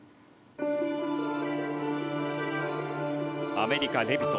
アメリカ、レビト。